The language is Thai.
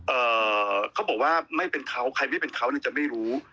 เอ่อเขาบอกว่าไม่เป็นเขาใครไม่เป็นเขาเนี่ยจะไม่รู้